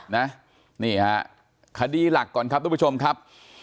นี่ฮะคดีหลักก่อนครับทุกผู้ชมครับ